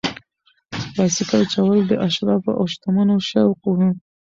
بایسکل چلول د اشرافو او شتمنو شوق و.